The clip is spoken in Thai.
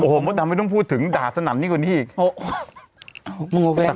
โอ้โห้ดำไม่ต้องพูดถึงด่าสนับนี่กูอีก